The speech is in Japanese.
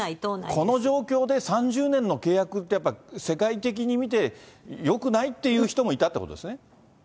この状況で３０年の契約って、やっぱ、世界的に見て、よくないって言う人もいたっていうことですね。